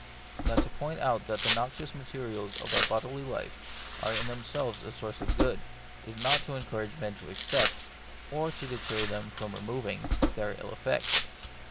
Now to point out that the noxious materials of our bodily life are in themselves a source of good, is not to encourage men to accept, or to deter them from removing, their ill effects.